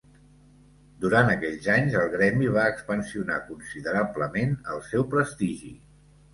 Durant aquells anys el gremi va expansionar considerablement el seu prestigi.